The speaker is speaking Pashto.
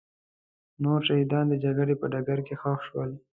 نور شهیدان د جګړې په ډګر کې ښخ شول.